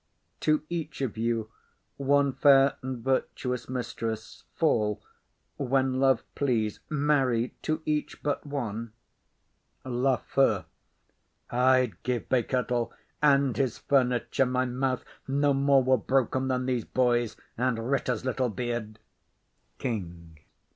To each of you one fair and virtuous mistress Fall, when love please! Marry, to each but one! LAFEW. I'd give bay curtal and his furniture My mouth no more were broken than these boys', And writ as little beard. KING.